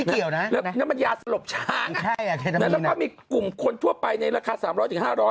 เกี่ยวนะแล้วน้ำมันยาสลบช้างแล้วก็มีกลุ่มคนทั่วไปในราคา๓๐๐๕๐๐